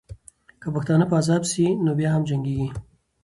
که پښتانه په عذاب سي، نو بیا هم جنګېږي.